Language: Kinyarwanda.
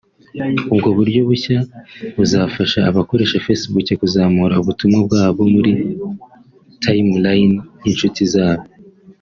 ubwo buryo bushya buzafasha abakoresha facebook kuzamura ubutumwa bwabo muri timeline y’inshuti zabo